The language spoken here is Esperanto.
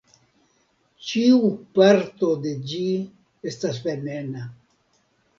Ĉiu parto de ĝi estas venena.